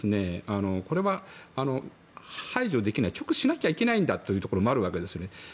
これは排除できない直視しなきゃいけないということもあるわけですね。